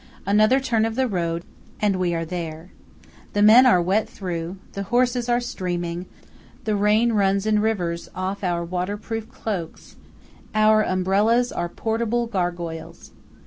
Another turn of the road, and we are there. The men are wet through; the horses are streaming; the rain runs in rivers off our waterproof cloaks; our umbrellas are portable gargoyles.